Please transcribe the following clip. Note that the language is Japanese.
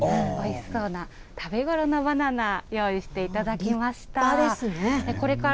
おいしそうな食べごろのバナナ、用意していただきました。